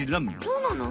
そうなの？